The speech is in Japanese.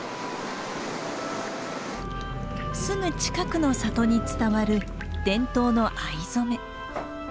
すぐ近くの里に伝わる伝統の藍染め。